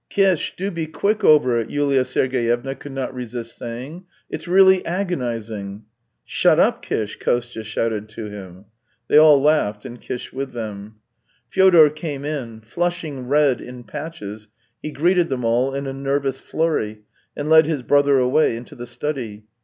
" Kish, do be quick over it," Yulia 3ergeyevna could not resist saying; " it's really agonizing !"" Shut up, Kish !" Kostya shouted to him. They all laughed, and Kish with them. Fyodor came in. Flushing red in patches, he greeted them all in a nervous flurry, and led his brother away into the study.